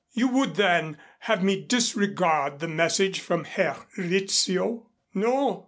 "You would, then, have me disregard the message from Herr Rizzio?" "No.